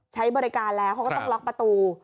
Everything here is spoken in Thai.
ใช้บริการแล้วเขาก็ต้องล็อกประตู